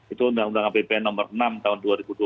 itu undang undang apbn nomor enam tahun dua ribu dua puluh